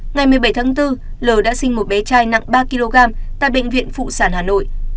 ngày một mươi bảy tháng bốn l đã sinh một bé trai nặng ba kg tại bệnh viện phụ sản hà nội